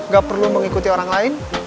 gak perlu mengikuti orang lain